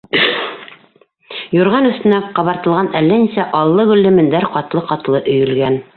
Юрған өҫтөнә ҡабартылған әллә нисә аллы-гөллө мендәр ҡатлы-ҡатлы өйөлгән.